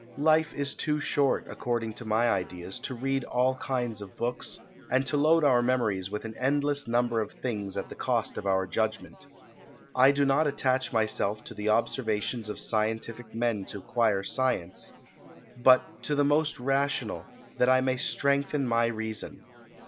Life is too short, according to my ideas, to read all kinds of books, and to load our memories with an endless number of things at the cost of our judgment. I do not attach myself to the observations of scientific men to acquire science; but to the most rational, that I may strengthen my reason.